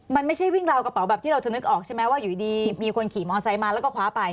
มันไม่ใช่วิ่งราวกระเป๋าแบบที่เราจะนึกออกใช่ไหมว่าอยู่ดีมีคนขี่มอไซค์มาแล้วก็คว้าไป